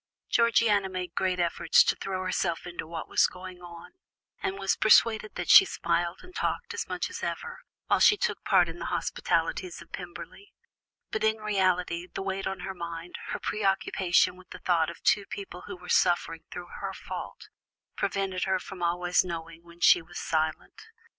Georgiana made great efforts to throw herself into what was going on, and was persuaded that she smiled and talked as much as ever, while she took part in the hospitalities of Pemberley, but in reality the weight on her mind, her preoccupation with the thought of two people who were suffering through her fault, prevented her from always knowing when she was silent.